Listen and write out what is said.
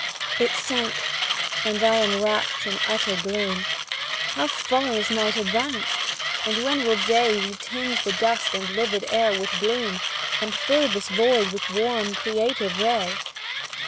It sank, and I am wrapt in utter gloom; How far is night advanced, and when will day Retinge the dusk and livid air with bloom, And fill this void with warm, creative ray?